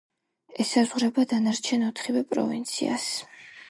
ესაზღვრება დანარჩენ ოთხივე პროვინციას.